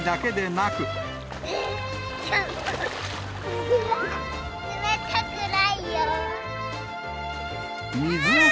冷たくないよ。